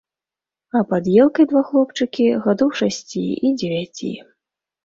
А пад елкай два хлопчыкі, гадоў шасці і дзевяці.